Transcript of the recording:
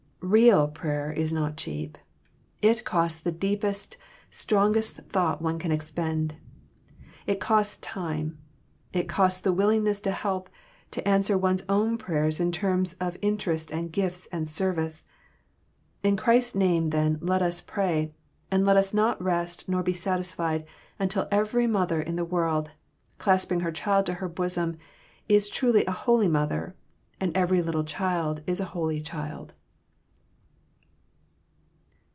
Real prayer is not cheap, it costs the deepest, strongest thought one can expend; it costs time; it costs the willingness to help to answer one's own prayers in terms of interest and gifts and service. In Christ's name, then, let us pray, and let us not rest nor be satisfied until every mother in the world, clasping her child to her bosom, is truly a holy mother, and every little child is a holy child.